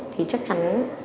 thì chắc chắn blackfeet